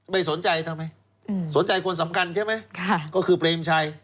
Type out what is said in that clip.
ไม่สนใจทำไมสนใจคนสำคัญใช่ไหมก็คือเปรมชัย